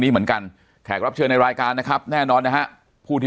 เหมือนกันแขกรับเชิญในรายการนะครับแน่นอนนะฮะผู้ที่